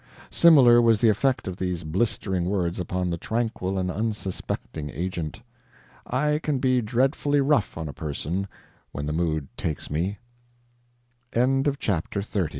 Similar was the effect of these blistering words upon the tranquil and unsuspecting Agent. I can be dreadfully rough on a person when the mood takes me. CHAPTER XXXI [Alp scaling by Carriag